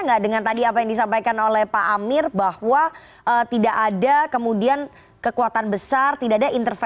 nggak dengan tadi apa yang disampaikan oleh pak amir bahwa tidak ada kemudian kekuatan besar tidak ada intervensi